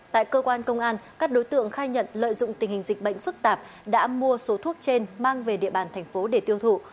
tại cơ quan công an các đối tượng khai nhận lợi dụng tình hình dịch bệnh phức tạp đã mua số thuốc trên mang về địa bàn thành phố để tiêu thụ